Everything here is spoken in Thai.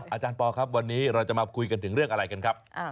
อาจารย์ปอลครับวันนี้เราจะมาคุยกันถึงเรื่องอะไรกันครับ